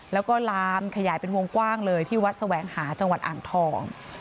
แล้วก็ลามขยายเป็นวงกว้างเลยที่วัดแสวงหาจังหวัดอ่างทอง